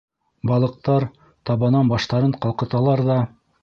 Балыҡтар табанан баштарын ҡалҡыталар ҙа: